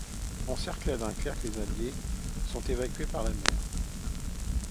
Encerclés à Dunkerque, les Alliés sont évacués par la mer.